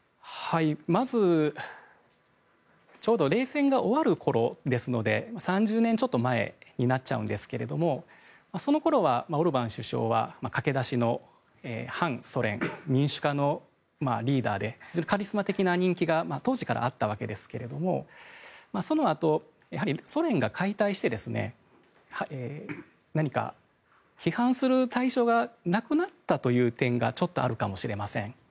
まず、ちょうど冷戦が終わる頃ですので３０年ちょっと前になっちゃうんですけどもその頃はオルバン首相は駆け出しの反ソ連民主化のリーダーでカリスマ的な人気が当時からあったわけですけどもそのあと、ソ連が解体して何か批判する対象がなくなったという点がちょっとあるかもしれません。